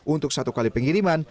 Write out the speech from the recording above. untuk satu kali pengiriman